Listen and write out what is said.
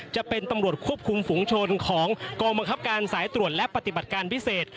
จะเป็นตำรวจควบคุมฝุงชนของกองบังคับการสายตรวจและปฏิบัติการพิเศษ